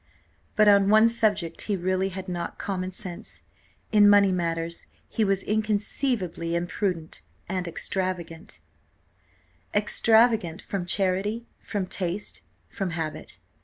But on one subject he really had not common sense; in money matters he was inconceivably imprudent and extravagant; extravagant from charity, from taste, from habit.